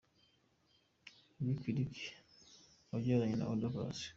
Lick Lick wabyaranye na Oda Paccy.